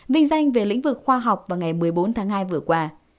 vinh danh về lĩnh vực khoa học vào ngày một mươi bốn tháng hai vừa qua